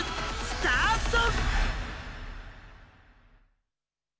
スタート。